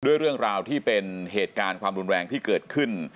เรื่องราวที่เป็นเหตุการณ์ความรุนแรงที่เกิดขึ้น